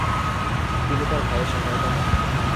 তিনি তার ভাইয়ের সহায়তা পান।